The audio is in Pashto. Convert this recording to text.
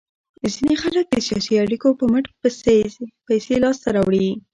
ځینې خلک د سیاسي اړیکو په مټ پیسې لاس ته راوړي.